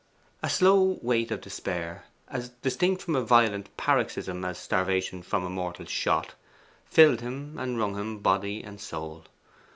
A slow weight of despair, as distinct from a violent paroxysm as starvation from a mortal shot, filled him and wrung him body and soul.